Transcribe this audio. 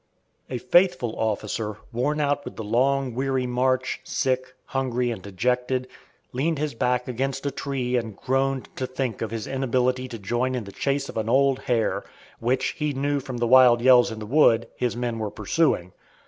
A faithful officer, worn out with the long, weary march, sick, hungry, and dejected, leaned his back against a tree and groaned to think of his inability to join in the chase of an old hare, which, he knew, from the wild yells in the wood, his men were pursuing.